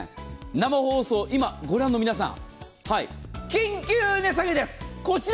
生放送、今ご覧の皆さん緊急値下げです、こちら。